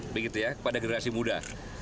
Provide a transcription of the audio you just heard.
begitu ya kepada generasi muda